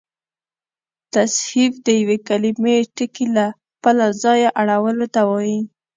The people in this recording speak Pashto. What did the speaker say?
تصحیف د یوې کليمې ټکي له خپله ځایه اړولو ته وا يي.